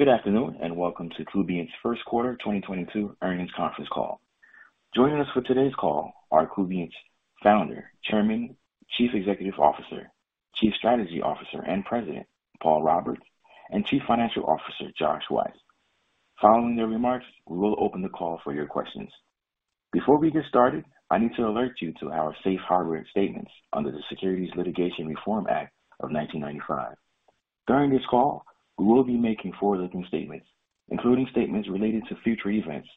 Good afternoon, and welcome to Kubient's first quarter 2022 earnings conference call. Joining us for today's call are Kubient's Founder, Chairman, Chief Executive Officer, Chief Strategy Officer, and President, Paul Roberts, and Chief Financial Officer, Josh Weiss. Following their remarks, we will open the call for your questions. Before we get started, I need to alert you to our safe harbor statements under the Private Securities Litigation Reform Act of 1995. During this call, we will be making forward-looking statements, including statements related to future events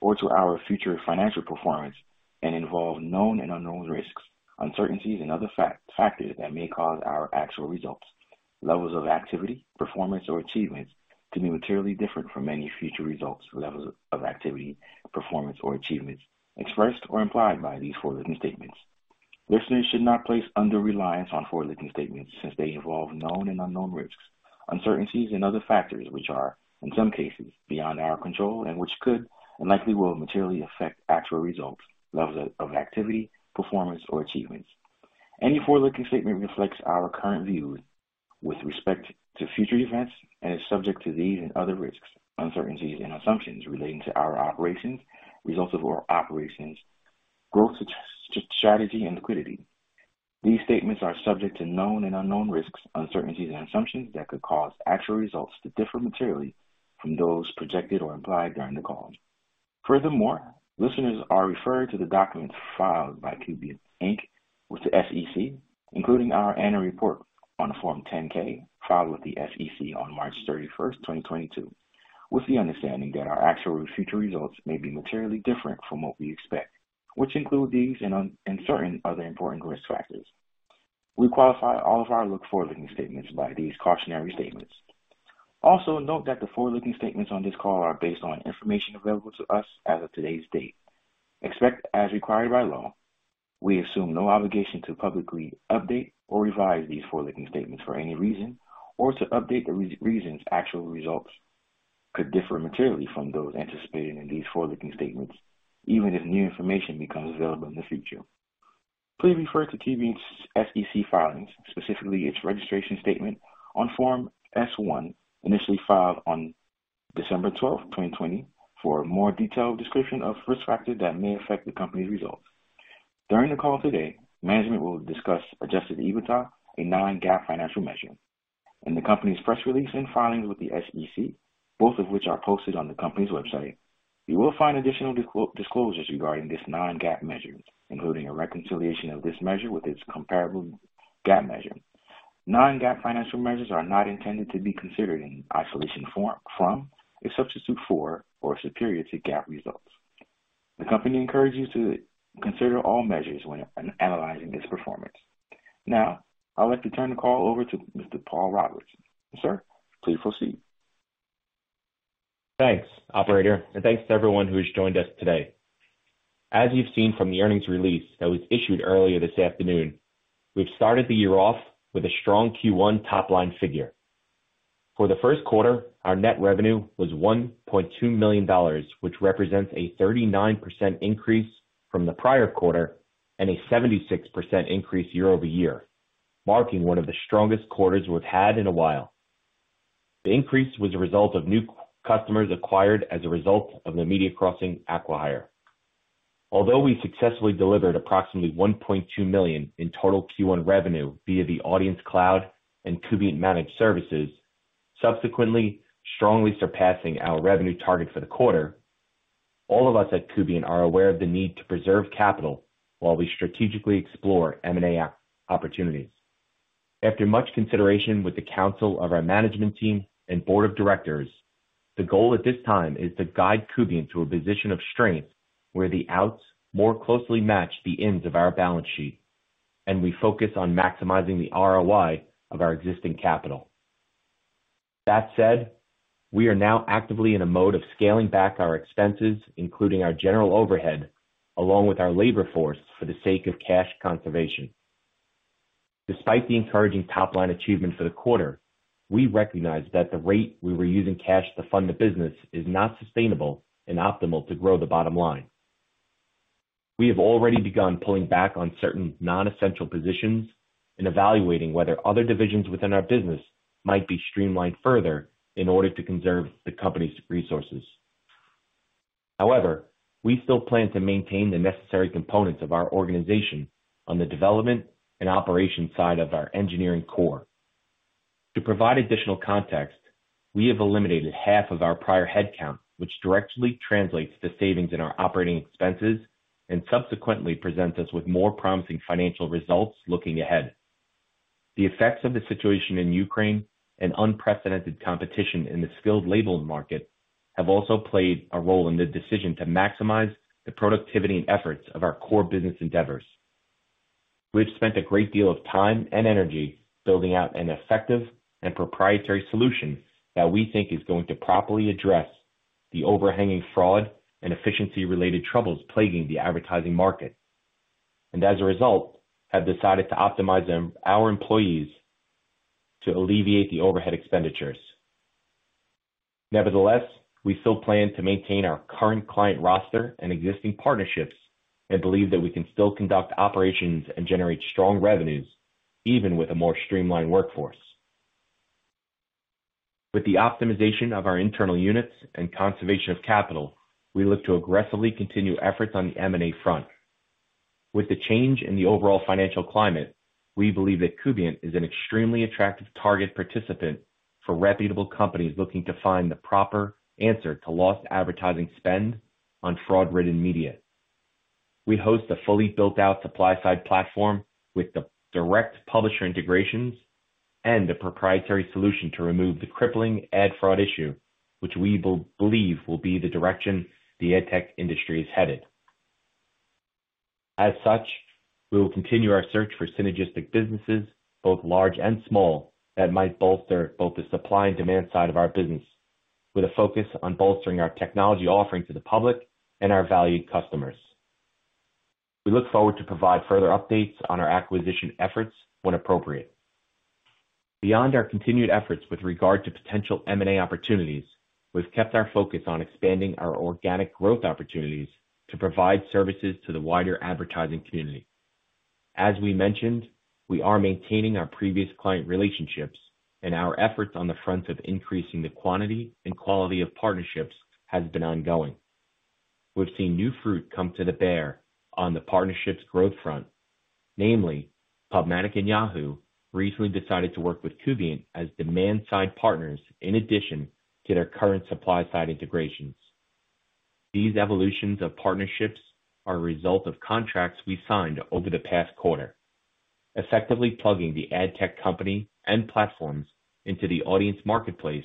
or to our future financial performance and involve known and unknown risks, uncertainties, and other factors that may cause our actual results, levels of activity, performance or achievements to be materially different from many future results, levels of activity, performance or achievements expressed or implied by these forward-looking statements. Listeners should not place undue reliance on forward-looking statements since they involve known and unknown risks, uncertainties and other factors, which are, in some cases, beyond our control and which could and likely will materially affect actual results, levels of activity, performance or achievements. Any forward-looking statement reflects our current views with respect to future events and is subject to these and other risks, uncertainties and assumptions relating to our operations, results of our operations, growth strategy, and liquidity. These statements are subject to known and unknown risks, uncertainties and assumptions that could cause actual results to differ materially from those projected or implied during the call. Furthermore, listeners are referred to the documents filed by Kubient, Inc with the SEC, including our annual report on Form 10-K, filed with the SEC on March 31st, 2022, with the understanding that our actual future results may be materially different from what we expect, which include these and certain other important risk factors. We qualify all of our forward-looking statements by these cautionary statements. Also, note that the forward-looking statements on this call are based on information available to us as of today's date. Except, as required by law, we assume no obligation to publicly update or revise these forward-looking statements for any reason or to update the reasons actual results could differ materially from those anticipated in these forward-looking statements, even if new information becomes available in the future. Please refer to Kubient's SEC filings, specifically its registration statement on Form S-1, initially filed on December 12th, 2020, for a more detailed description of risk factors that may affect the company's results. During the call today, management will discuss adjusted EBITDA, a non-GAAP financial measure. In the company's press release and filings with the SEC, both of which are posted on the company's website, you will find additional disclosures regarding this non-GAAP measure, including a reconciliation of this measure with its comparable GAAP measure. Non-GAAP financial measures are not intended to be considered in isolation from, a substitute for, or superior to GAAP results. The company encourages you to consider all measures when analyzing this performance. Now, I'd like to turn the call over to Mr. Paul Roberts. Sir, please proceed. Thanks, operator, and thanks to everyone who has joined us today. As you've seen from the earnings release that was issued earlier this afternoon, we've started the year off with a strong Q1 top-line figure. For the first quarter, our net revenue was $1.2 million, which represents a 39% increase from the prior quarter and a 76% increase year-over-year, marking one of the strongest quarters we've had in a while. The increase was a result of new customers acquired as a result of the MediaCrossing, Acqui-hire. Although we successfully delivered approximately $1.2 million in total Q1 revenue via the Audience Cloud and Kubient Managed Services, subsequently strongly surpassing our revenue target for the quarter, all of us at Kubient are aware of the need to preserve capital while we strategically explore M&A opportunities. After much consideration with the counsel of our management team and board of directors, the goal at this time is to guide Kubient to a position of strength where the outflows more closely match the inflows of our balance sheet, and we focus on maximizing the ROI of our existing capital. That said, we are now actively in a mode of scaling back our expenses, including our general overhead, along with our labor force for the sake of cash conservation. Despite the encouraging top-line achievement for the quarter, we recognize that the rate we were using cash to fund the business is not sustainable and optimal to grow the bottom line. We have already begun pulling back on certain non-essential positions and evaluating whether other divisions within our business might be streamlined further in order to conserve the company's resources. However, we still plan to maintain the necessary components of our organization on the development and operation side of our engineering core. To provide additional context, we have eliminated half of our prior headcount, which directly translates to savings in our operating expenses and subsequently presents us with more promising financial results looking ahead. The effects of the situation in Ukraine and unprecedented competition in the skilled labor market have also played a role in the decision to maximize the productivity and efforts of our core business endeavors. We've spent a great deal of time and energy building out an effective and proprietary solution that we think is going to properly address the overhanging fraud and efficiency-related troubles plaguing the advertising market. As a result, we have decided to optimize our employees to alleviate the overhead expenditures. Nevertheless, we still plan to maintain our current client roster and existing partnerships and believe that we can still conduct operations and generate strong revenues. Even with a more streamlined workforce. With the optimization of our internal units and conservation of capital, we look to aggressively continue efforts on the M&A front. With the change in the overall financial climate, we believe that Kubient is an extremely attractive target participant for reputable companies looking to find the proper answer to lost advertising spend on fraud-ridden media. We host a fully built-out supply-side platform with the direct publisher integrations and a proprietary solution to remove the crippling ad fraud issue, which we believe will be the direction the ad tech industry is headed. As such, we will continue our search for synergistic businesses, both large and small, that might bolster both the supply- and demand-side of our business, with a focus on bolstering our technology offering to the public and our valued customers. We look forward to provide further updates on our acquisition efforts when appropriate. Beyond our continued efforts with regard to potential M&A opportunities, we've kept our focus on expanding our organic growth opportunities to provide services to the wider advertising community. As we mentioned, we are maintaining our previous client relationships and our efforts on the front of increasing the quantity and quality of partnerships has been ongoing. We've seen new fruit come to bear on the partnerships growth front. Namely, PubMatic and Yahoo recently decided to work with Kubient as demand-side partners in addition to their current supply-side integrations. These evolutions of partnerships are a result of contracts we signed over the past quarter, effectively plugging the ad tech company and platforms into the Audience Marketplace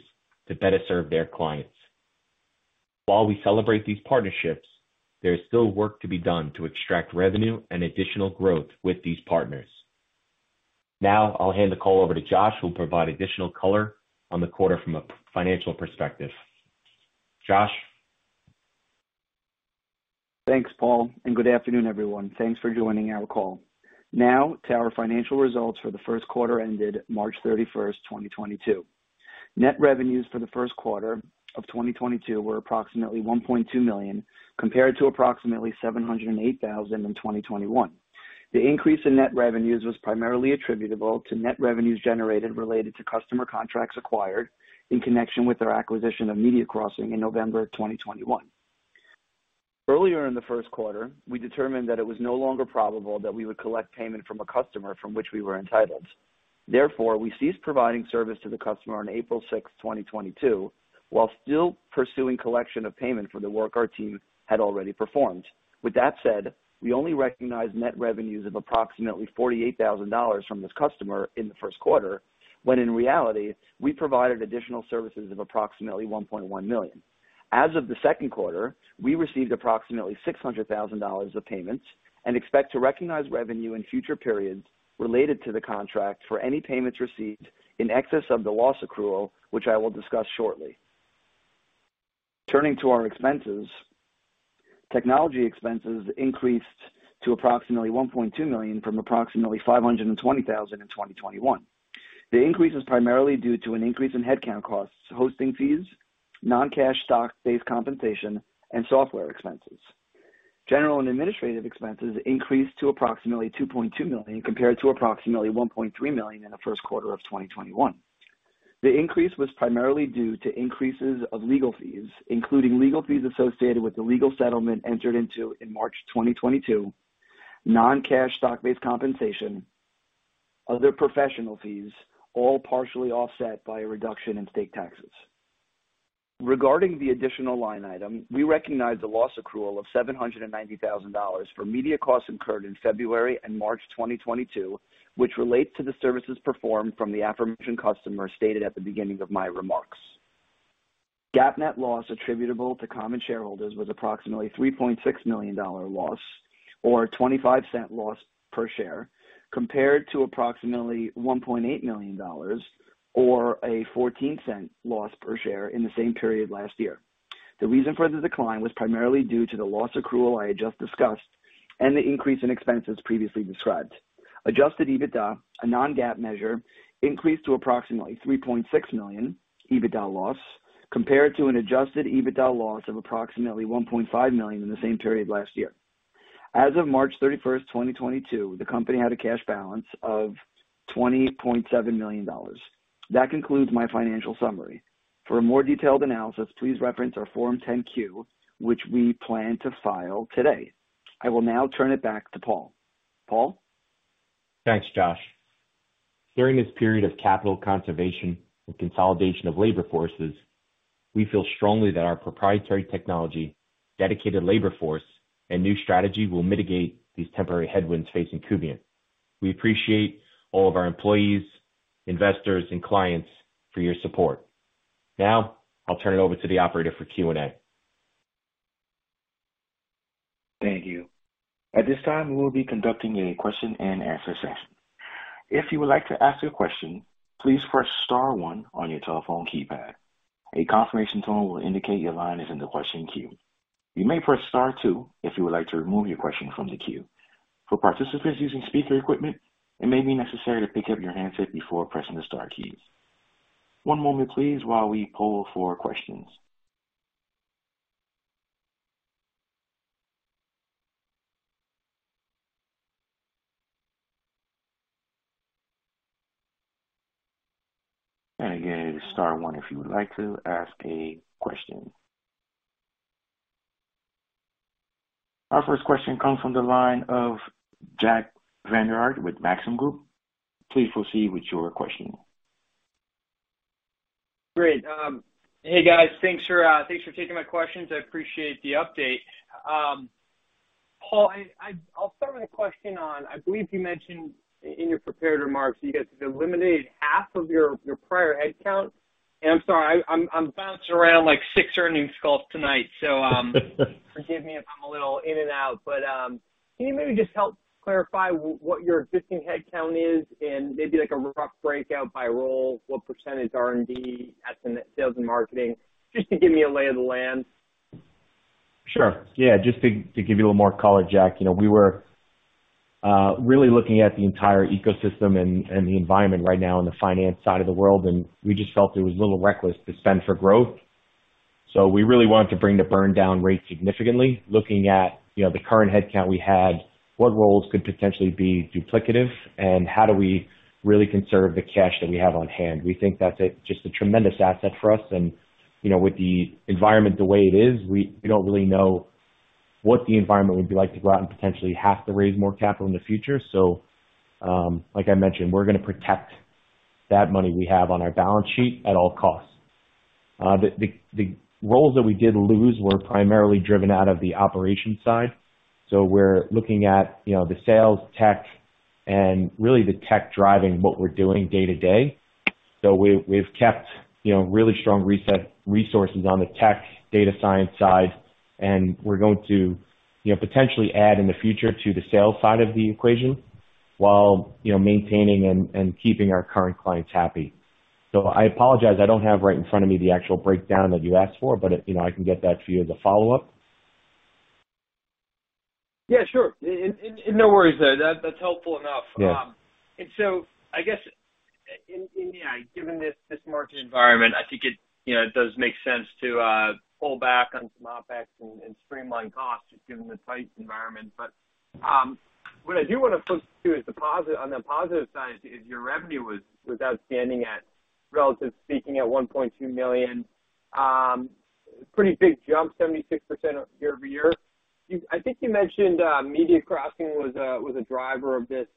to better serve their clients. While we celebrate these partnerships, there is still work to be done to extract revenue and additional growth with these partners. Now I'll hand the call over to Josh, who will provide additional color on the quarter from a financial perspective. Josh? Thanks, Paul, and good afternoon, everyone. Thanks for joining our call. Now to our financial results for the first quarter ended March 31st, 2022. Net revenues for the first quarter of 2022 were approximately $1.2 million, compared to approximately $708,000 in 2021. The increase in net revenues was primarily attributable to net revenues generated related to customer contracts acquired in connection with our acquisition of MediaCrossing in November of 2021. Earlier in the first quarter, we determined that it was no longer probable that we would collect payment from a customer from which we were entitled. Therefore, we ceased providing service to the customer on April 6th, 2022, while still pursuing collection of payment for the work our team had already performed. With that said, we only recognized net revenues of approximately $48,000 from this customer in the first quarter, when in reality, we provided additional services of approximately $1.1 million. As of the second quarter, we received approximately $600,000 of payments and expect to recognize revenue in future periods related to the contract for any payments received in excess of the loss accrual, which I will discuss shortly. Turning to our expenses. Technology expenses increased to approximately $1.2 million from approximately $520,000 in 2021. The increase is primarily due to an increase in headcount costs, hosting fees, non-cash stock-based compensation, and software expenses. General and administrative expenses increased to approximately $2.2 million compared to approximately $1.3 million in the first quarter of 2021. The increase was primarily due to increases of legal fees, including legal fees associated with the legal settlement entered into in March 2022, non-cash stock-based compensation, other professional fees, all partially offset by a reduction in state taxes. Regarding the additional line item, we recognized a loss accrual of $790,000 for media costs incurred in February and March 2022, which relate to the services performed from the aforementioned customer stated at the beginning of my remarks. GAAP net loss attributable to common shareholders was approximately $3.6 million dollar loss or $0.25 loss per share, compared to approximately $1.8 million dollars or a $0.14 loss per share in the same period last year. The reason for the decline was primarily due to the loss accrual I just discussed and the increase in expenses previously described. Adjusted EBITDA, a non-GAAP measure, increased to approximately $3.6 million EBITDA loss, compared to an adjusted EBITDA loss of approximately $1.5 million in the same period last year. As of March 31st, 2022, the company had a cash balance of $20.7 million. That concludes my financial summary. For a more detailed analysis, please reference our Form 10-Q, which we plan to file today. I will now turn it back to Paul. Paul? Thanks, Josh. During this period of capital conservation and consolidation of labor forces, we feel strongly that our proprietary technology, dedicated labor force, and new strategy will mitigate these temporary headwinds facing Kubient. We appreciate all of our employees, investors, and clients for your support. Now I'll turn it over to the operator for Q&A. Thank you. At this time, we will be conducting a question-and-answer session. If you would like to ask a question, please press star one on your telephone keypad. A confirmation tone will indicate your line is in the question queue. You may press star two if you would like to remove your question from the queue. For participants using speaker equipment, it may be necessary to pick up your handset before pressing the star keys. One moment please while we poll for questions. Again, star one if you would like to ask a question. Our first question comes from the line of Jack Vander Aarde with Maxim Group. Please proceed with your question. Great. Hey, guys. Thanks for taking my questions. I appreciate the update. Paul, I'll start with a question on, I believe you mentioned in your prepared remarks you guys have eliminated half of your prior headcount, and I'm sorry, I'm bouncing around like six earnings calls tonight, so forgive me if I'm a little in and out. Can you maybe just help clarify what your existing headcount is and maybe like a rough breakout by role, what percentage R&D, ad sales and marketing, just to give me a lay of the land? Sure. Yeah. Just to give you a more color, Jack, you know, we were really looking at the entire ecosystem and the environment right now in the finance side of the world, and we just felt it was a little reckless to spend for growth. We really wanted to bring the burn-down rate significantly, looking at, you know, the current headcount we had, what roles could potentially be duplicative, and how do we really conserve the cash that we have on hand. We think that's just a tremendous asset for us and, you know, with the environment the way it is, we don't really know what the environment would be like to go out and potentially have to raise more capital in the future. Like I mentioned, we're gonna protect that money we have on our balance sheet at all costs. The roles that we did lose were primarily driven out of the operations side. We're looking at, you know, the sales tech and really the tech driving what we're doing day-to-day. We've kept, you know, really strong R&D resources on the tech data science side, and we're going to, you know, potentially add in the future to the sales side of the equation while, you know, maintaining and keeping our current clients happy. I apologize, I don't have right in front of me the actual breakdown that you asked for, but, you know, I can get that for you as a follow-up. Yeah, sure. No worries there. That, that's helpful enough. Yeah. I guess in, you know, given this market environment, I think it, you know, it does make sense to pull back on some OpEx and streamline costs just given the tight environment. What I do wanna point to is on the positive side, your revenue was outstanding, relatively speaking, at $1.2 million. Pretty big jump, 76% year-over-year. I think you mentioned MediaCrossing was a driver of this,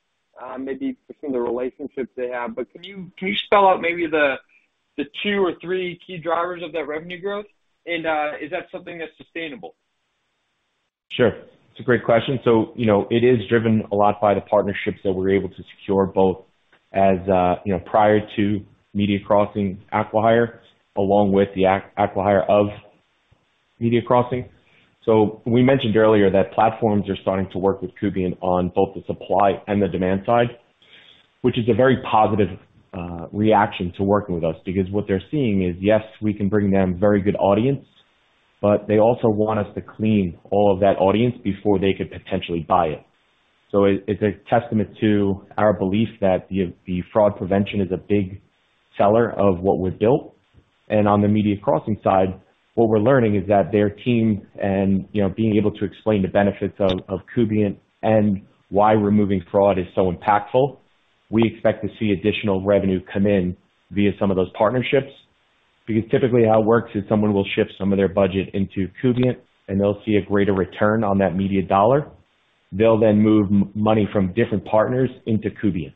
maybe from the relationships they have. Can you spell out maybe the two or three key drivers of that revenue growth? Is that something that's sustainable? Sure. It's a great question. It is driven a lot by the partnerships that we're able to secure, both, you know, prior to MediaCrossing, Acqui-hire, along with the acqui-hire of MediaCrossing. We mentioned earlier that platforms are starting to work with Kubient on both the supply and the demand side, which is a very positive reaction to working with us. Because what they're seeing is, yes, we can bring them very good audience, but they also want us to clean all of that audience before they could potentially buy it. It is a testament to our belief that the fraud prevention is a big seller of what we've built. On the MediaCrossing side, what we're learning is that their team and, you know, being able to explain the benefits of Kubient and why removing fraud is so impactful, we expect to see additional revenue come in via some of those partnerships. Because typically how it works is someone will shift some of their budget into Kubient, and they'll see a greater return on that media dollar. They'll then move money from different partners into Kubient.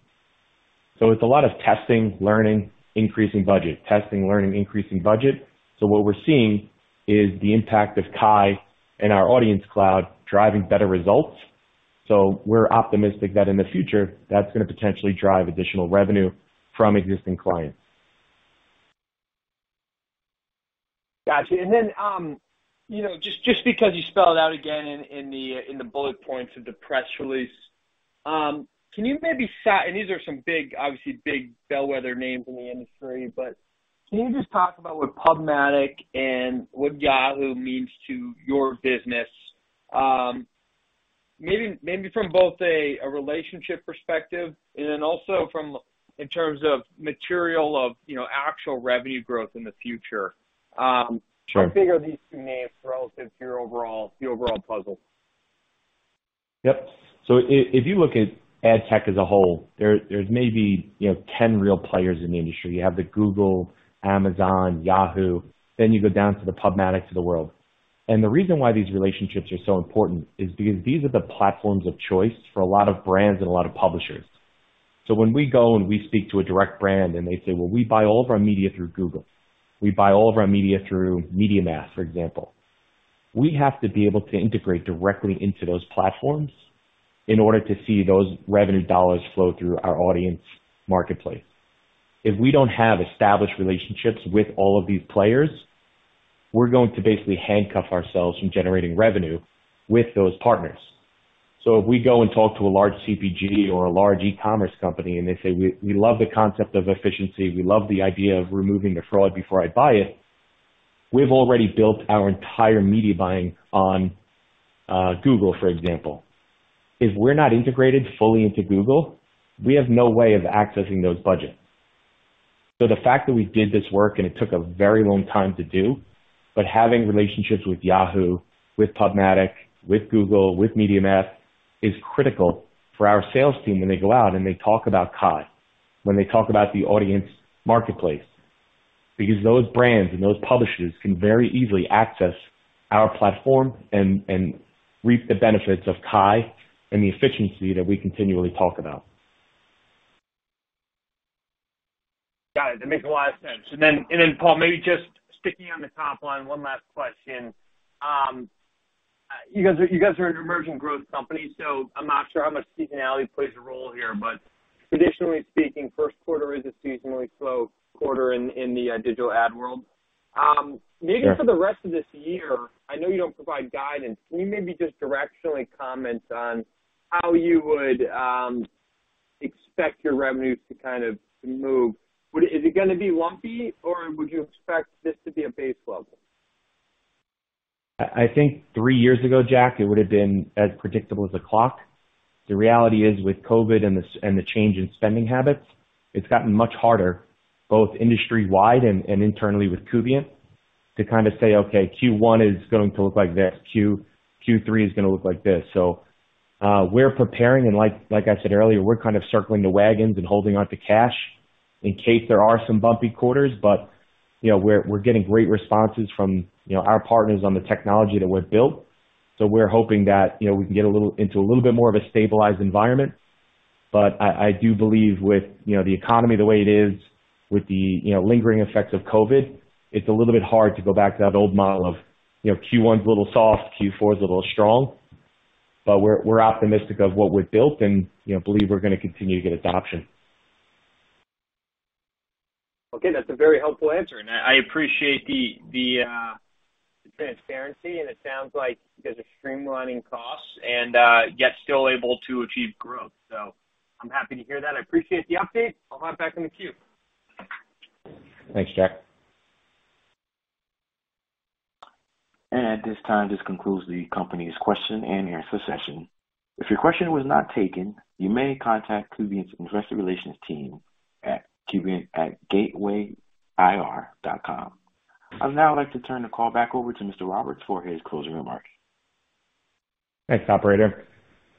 It's a lot of testing, learning, increasing budget. Testing, learning, increasing budget. What we're seeing is the impact of KAI and our Audience Cloud driving better results. We're optimistic that in the future that's gonna potentially drive additional revenue from existing clients. Gotcha. You know, just because you spelled out again in the bullet points of the press release, can you maybe and these are some big, obviously big bellwether names in the industry, but can you just talk about what PubMatic and what Yahoo means to your business, maybe from both a relationship perspective and then also from in terms of material of, you know, actual revenue growth in the future? Sure. How big are these two names relative to the overall puzzle? Yep. If you look at ad tech as a whole, there's maybe, you know, 10 real players in the industry. You have the Google, Amazon, Yahoo, then you go down to the PubMatic of the world. The reason why these relationships are so important is because these are the platforms of choice for a lot of brands and a lot of publishers. When we go and we speak to a direct brand and they say, "Well, we buy all of our media through Google. We buy all of our media through MediaMath," for example, we have to be able to integrate directly into those platforms in order to see those revenue dollars flow through our Audience Marketplace. If we don't have established relationships with all of these players, we're going to basically handcuff ourselves from generating revenue with those partners. If we go and talk to a large CPG or a large e-commerce company and they say, "We love the concept of efficiency, we love the idea of removing the fraud before I buy it, we've already built our entire media buying on Google," for example. If we're not integrated fully into Google, we have no way of accessing those budgets. The fact that we did this work and it took a very long time to do, but having relationships with Yahoo, with PubMatic, with Google, with MediaMath is critical for our sales team when they go out and they talk about KAI, when they talk about the Audience Marketplace. Because those brands and those publishers can very easily access our platform and reap the benefits of KAI and the efficiency that we continually talk about. Got it. That makes a lot of sense. Paul, maybe just sticking on the top line, one last question. You guys are an emerging growth company, so I'm not sure how much seasonality plays a role here, but traditionally speaking, first quarter is a seasonally slow quarter in the digital ad world. Yeah. Maybe for the rest of this year, I know you don't provide guidance, can you maybe just directionally comment on how you would expect your revenues to kind of move? Is it gonna be lumpy or would you expect this to be a base level? I think three years ago, Jack, it would have been as predictable as a clock. The reality is, with COVID and the change in spending habits, it's gotten much harder, both industry-wide and internally with Kubient, to kind of say, "Okay, Q1 is going to look like this. Q3 is gonna look like this." We're preparing and like I said earlier, we're kind of circling the wagons and holding onto cash in case there are some bumpy quarters. You know, we're getting great responses from, you know, our partners on the technology that we've built. We're hoping that, you know, we can get a little into a little bit more of a stabilized environment. I do believe with, you know, the economy the way it is, with the, you know, lingering effects of COVID, it's a little bit hard to go back to that old model of, you know, Q1's a little soft, Q4 is a little strong. But we're optimistic of what we've built and, you know, believe we're gonna continue to get adoption. Okay. That's a very helpful answer, and I appreciate the transparency, and it sounds like you guys are streamlining costs and yet still able to achieve growth. I'm happy to hear that. I appreciate the update. I'll hop back in the queue. Thanks, Jack. At this time, this concludes the company's question and answer session. If your question was not taken, you may contact Kubient's investor relations team at Kubient@gatewayir.com. I'd now like to turn the call back over to Mr. Roberts for his closing remarks. Thanks, operator,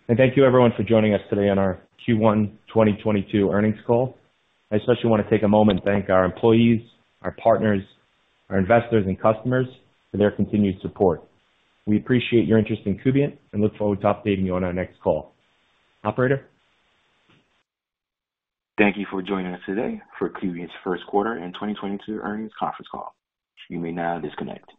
and thank you everyone for joining us today on our Q1 2022 earnings call. I especially wanna take a moment to thank our employees, our partners, our investors and customers for their continued support. We appreciate your interest in Kubient and look forward to updating you on our next call. Operator? Thank you for joining us today for Kubient's first quarter 2022 earnings conference call. You may now disconnect.